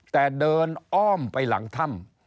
แต่เดินอ้อมไปหลังถ้ำ